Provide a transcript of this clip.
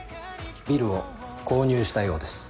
ビルを購入したようです。